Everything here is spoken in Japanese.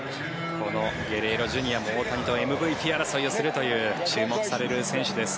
このゲレーロＪｒ．も大谷とＭＶＰ争いをするという注目される選手です。